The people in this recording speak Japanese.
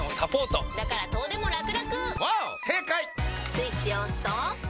スイッチを押すと。